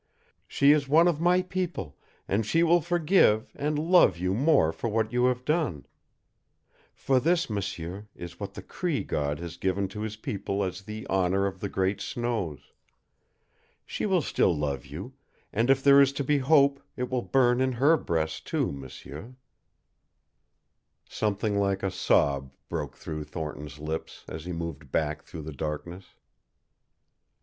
She is one of my people, and she will forgive, and love you more for what you have done. For this, m'sieur, is what the Cree god has given to his people as the honor of the great snows. She will still love you, and if there is to be hope it will burn in HER breast, too. M'sieur " Something like a sob broke through Thornton's lips as he moved back through the darkness.